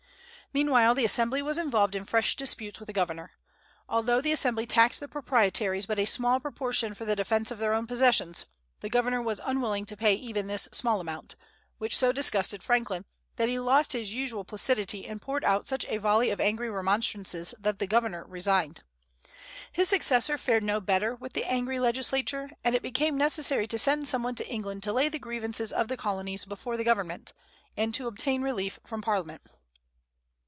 Meanwhile the Assembly was involved in fresh disputes with the governor. Although the Assembly taxed the Proprietaries but a small proportion for the defence of their own possessions, the governor was unwilling to pay even this small amount; which so disgusted Franklin that he lost his usual placidity and poured out such a volley of angry remonstrances that the governor resigned. His successor fared no better with the angry legislature, and it became necessary to send some one to England to lay the grievances of the Colonists before the government, and to obtain relief from Parliament.